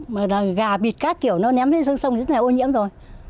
và gà bịt các kiểu nó ném lên sông sông rất là ô nhiễm rồi